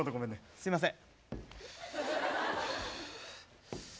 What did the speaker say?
すいません。